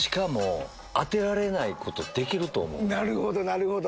なるほどなるほど。